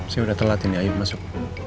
saya udah telat ini ayo masuk